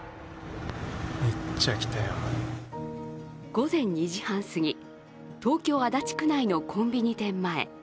午前２時半すぎ、東京・足立区内のコンビニ店前。